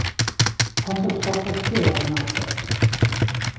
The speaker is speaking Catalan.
Quantes portes té al nàrtex?